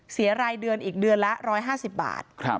เสียรายเดือนอีกเดือนละ๑๕๐บาท